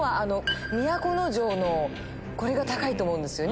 都城のこれが高いと思うんですよね。